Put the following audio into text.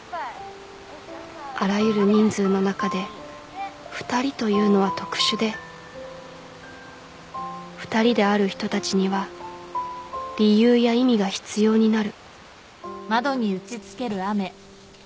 あらゆる人数の中で２人というのは特殊で２人である人たちには理由や意味が必要になる